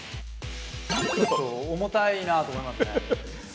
ちょっと重たいなあと思いますね。